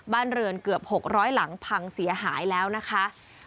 บ้านเรือนเกือบ๖๐๐หลังพังเสียหายแล้วนะคะ